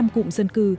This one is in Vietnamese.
năm cụm dân cư